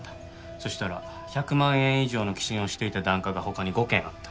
そしたら１００万円以上の寄進をしていた檀家が他に５軒あった。